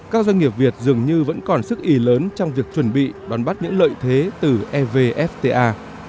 các doanh nghiệp việt dường như vẫn còn sức ý lớn trong việc chuẩn bị đón bắt những lợi thế từ evfta